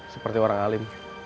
seperti orang alim